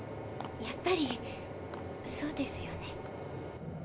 やっぱりそうですよね。